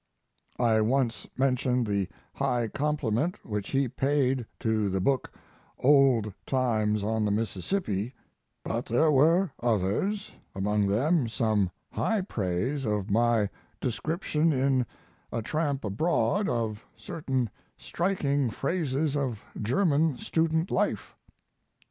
I once mentioned the high compliment which he paid to the book 'Old Times on the Mississippi'; but there were others, among them some high praise of my description in 'A Tramp Abroad' of certain striking phases of German student life.